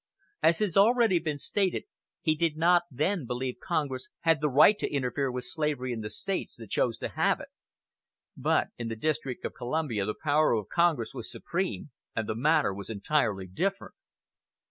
As has already been stated, he did not then believe Congress had the right to interfere with slavery in States that chose to have it; but in the District of Columbia the power of Congress was supreme, and the matter was entirely different.